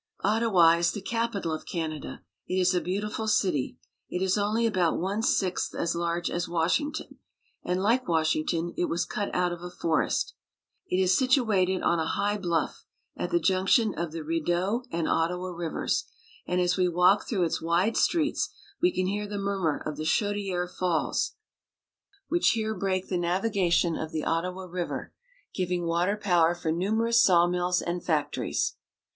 Ottawa rs the capital of Canada. It is a beautiful city. It is only about one sixth as large as Washing ton, and, like Washington, it was cut out of a forest. It is situated on a high bluff at the junction of the Rideau and Ottawa rivers ; and as we walk through its wide streets, we can hear the murmur of the Chaudiere Falls, which 320 BRITISH AMERICA. here break the navigation of the Ottawa River, giving water power for numerous sawmills and factories. Parliament Building's — Ottawa.